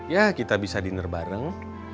ya kita bisa dinner bareng